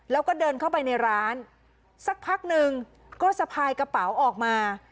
แล้วก็เดินเข้าไปในร้านสักพักหนึ่งก็สะพายกระเป๋าออกมา